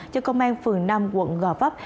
cho công an phường năm quận gò vấp